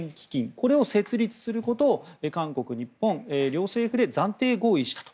これを設立することを韓国、日本両政府で暫定合意したと。